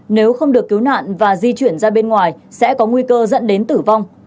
nếu không được cứu nạn và di chuyển ra bên ngoài sẽ có nguy cơ dẫn đến tử vong